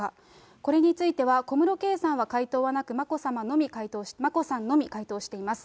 これについては、小室圭さんは回答はなく、眞子さんのみ回答しています。